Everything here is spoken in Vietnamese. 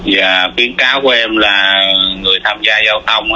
và khuyến cáo của em là người tham gia giao thông